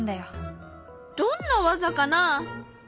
どんな技かな？